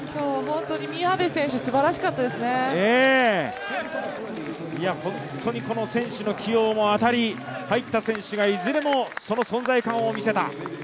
本当に選手の起用も当たり、入った選手がいずれも、その存在感を見せた。